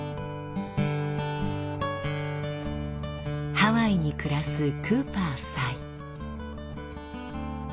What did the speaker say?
ハワイに暮らすクーパー夫妻。